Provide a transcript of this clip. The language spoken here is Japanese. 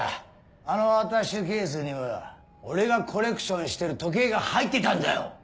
あのアタッシュケースには俺がコレクションしてる時計が入ってたんだよ！